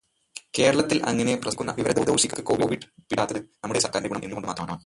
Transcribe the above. കേരളത്തിൽ അങ്ങനെ പ്രസംഗിക്കുന്ന വിവരദോഷികൾക്ക് കോവിഡ് പിടിപെടാത്തത് നമ്മുടെ സർക്കാരിന്റെ ഗുണം ഒന്നു കൊണ്ടു മാത്രമാണ്.